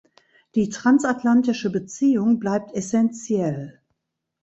Die transatlantische Beziehung bleibt essenziell.